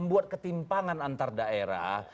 buat ketimpangan antar daerah